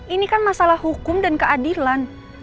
ini kan masalah hukum dan keadilan